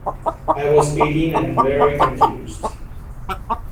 I was eighteen and very confused.